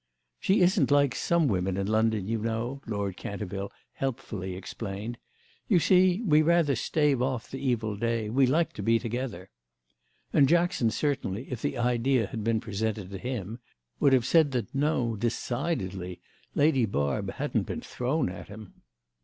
"She isn't like some women in London, you know," Lord Canterville helpfully explained; "you see we rather stave off the evil day: we like to be together." And Jackson certainly, if the idea had been presented to him, would have said that No, decidedly, Lady Barb hadn't been thrown at him.